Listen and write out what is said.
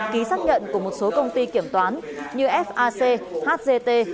ký xác nhận của một số công ty kiểm toán như fac hgt